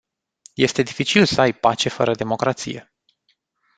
Este dificil să ai pace fără democrație.